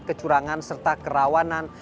kecurangan serta kerawanan